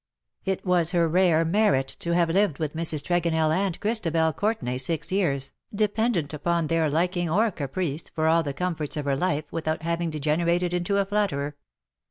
It was her rare merit to have lived with Mrs. Tregonell and Chris tabcl Courtenay six years, dependent upon their so THE DAYS THAT ARE NO MORE. liking or caprice for all the comforts of her life, without having degenerated into a flatterer.